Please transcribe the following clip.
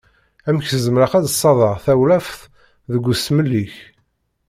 Amek zemreɣ ad d-ssadreɣ tawlaft deg usmel-ik?